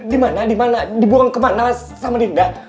dimana dimana dibuang kemana sama dinda